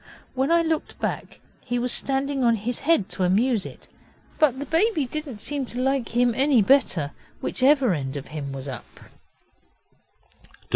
When I looked back he was standing on his head to amuse it, but the baby did not seem to like him any better whichever end of him was up.